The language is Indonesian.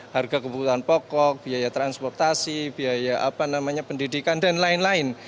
harga kebutuhan pokok biaya transportasi biaya pendidikan dan lain lain